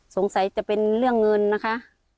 สงสัยจะเป็นเรื่องเงินนะคะ